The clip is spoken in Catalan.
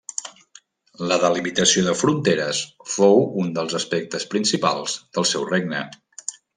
La delimitació de fronteres fou un dels aspectes principals del seu regne.